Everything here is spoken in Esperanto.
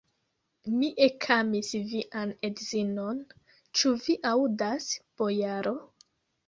Mi ekamis vian edzinon, ĉu vi aŭdas, bojaro?